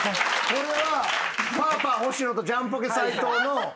これはパーパーほしのとジャンポケ斉藤の。